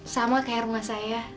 sama kayak rumah saya